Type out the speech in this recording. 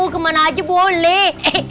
kemana aja boleh